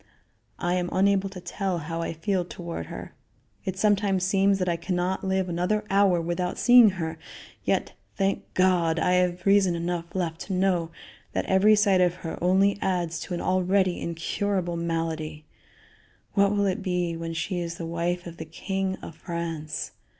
I am unable to tell how I feel toward her. It sometimes seems that I can not live another hour without seeing her; yet, thank God, I have reason enough left to know that every sight of her only adds to an already incurable malady. What will it be when she is the wife of the king of France?